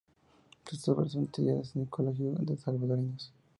Sus obras son estudiadas en los colegios salvadoreños.